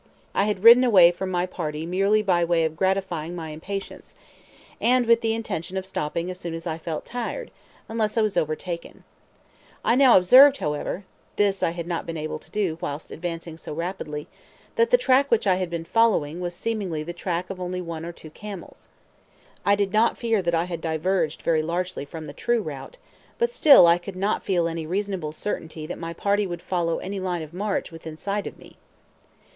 I had ridden away from my party merely by way of gratifying my impatience, and with the intention of stopping as soon as I felt tired, until I was overtaken. I now observed, however (this I had not been able to do whilst advancing so rapidly), that the track which I had been following was seemingly the track of only one or two camels. I did not fear that I had diverged very largely from the true route, but still I could not feel any reasonable certainty that my party would follow any line of march within sight of me.